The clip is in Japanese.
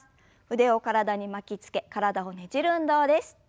腕を体に巻きつけ体をねじる運動です。